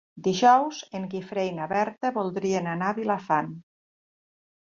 Dijous en Guifré i na Berta voldrien anar a Vilafant.